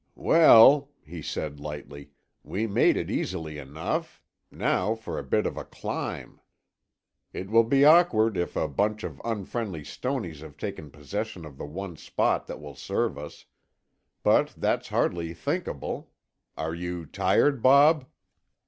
"Well," he said lightly, "we made it easily enough. Now for a bit of a climb. It will be awkward if a bunch of unfriendly Stonies have taken possession of the one spot that will serve us. But that's hardly thinkable. Are you tired, Bob?"